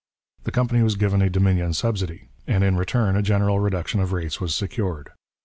The company was given a Dominion subsidy, and in return a general reduction of rates was secured.